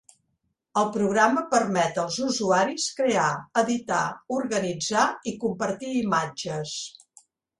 El programa permet als usuaris crear, editar, organitzar i compartir imatges.